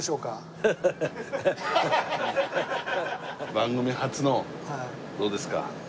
番組初のどうですか？